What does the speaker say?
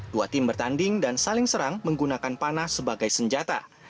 dua tim bertanding dan saling serang menggunakan panah sebagai senjata